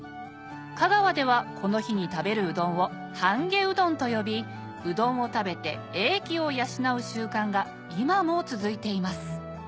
香川ではこの日に食べるうどんをと呼びうどんを食べて英気を養う習慣が今も続いています